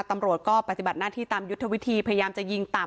ตำรวจก็ปฏิบัติหน้าที่ตามยุทธวิธีพยายามจะยิงต่ำ